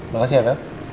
makasih ya bel